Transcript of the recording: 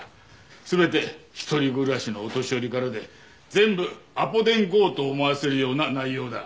全て一人暮らしのお年寄りからで全部アポ電強盗を思わせるような内容だ。